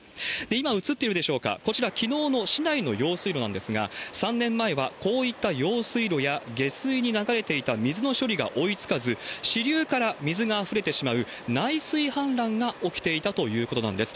今映ってるでしょうか、こちら、きのうの市内の用水路なんですが、３年前はこういった用水路や、下水に流れていた水の処理が追いつかず、支流から水があふれてしまう、内水氾濫が起きていたということなんです。